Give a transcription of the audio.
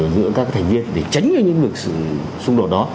giữa các thành viên để tránh những sự xung đột đó